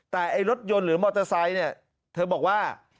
แต่รถยนต์หรือมอเตอร์ไซต์เธอบอกว่า